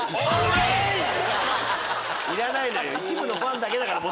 いらないのよ！